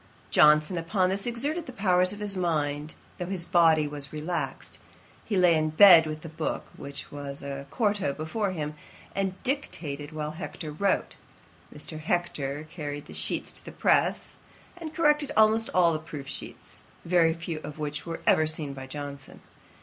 Johnson upon this exerted the powers of his mind, though his body was relaxed. He lay in bed with the book, which was a quarto, before him, and dictated while Hector wrote. Mr. Hector carried the sheets to the press, and corrected almost all the proof sheets, very few of which were even seen by Johnson.